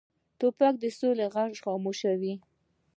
توپک د سولې غږ خاموشوي.